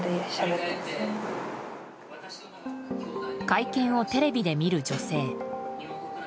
会見をテレビで見る女性。